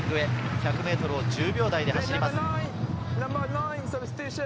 １００ｍを１０秒台で走ります。